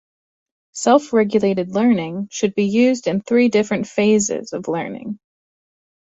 Self regulated learning should be used in three different phases of learning.